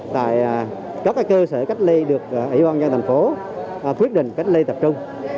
tại các cơ sở cách lây được ủy ban dân thành phố quyết định cách lây tập trung